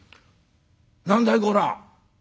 何だいこら。